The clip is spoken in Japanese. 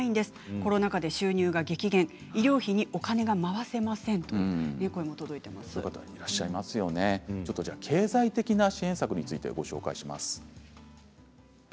コロナ禍で収入が激減医療費にお金は回せないという経済的な支援策についてお伝えします。